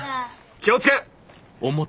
気をつけ！